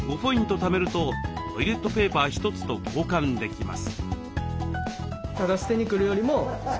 ためるとトイレットペーパー１つと交換できます。